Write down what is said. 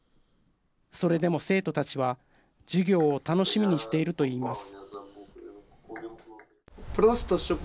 それでも生徒たちは授業を楽しみにしていると言います。